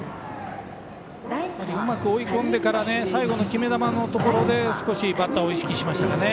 うまく追い込んでから最後の決め球のところで少しバッターを意識しましたね。